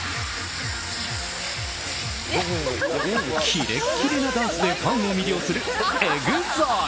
キレッキレなダンスでファンを魅了するＥＸＩＬＥ。